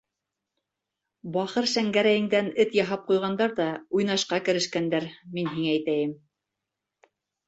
Бахыр Шәңгәрәйендән эт яһап ҡуйғандар ҙа уйнашҡа керешкәндәр, мин һиңә әйтәйем!